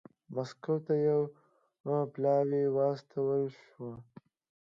مسکو ته یو پلاوی واستول شو.